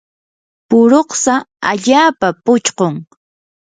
puruksa allaapa puchqun.